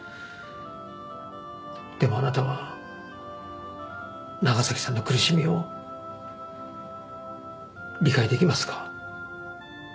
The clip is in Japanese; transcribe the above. でもあなたは長崎さんの苦しみを理解出来ますか？